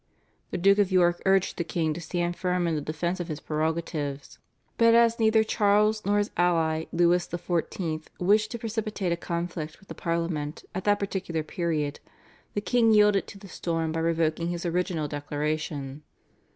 The Duke of York urged the king to stand firm in the defence of his prerogatives, but as neither Charles nor his ally Louis XIV. wished to precipitate a conflict with the Parliament at that particular period, the king yielded to the storm by revoking his original declaration.